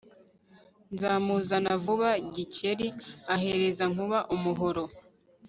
nzawuzana vuba » Gikeli ahereza Nkuba umuhoro